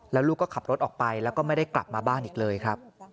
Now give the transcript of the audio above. แล้วลูกก็ขับรถออกไปแล้วก็ไม่ได้กลับมาบ้านอีกเลยครับ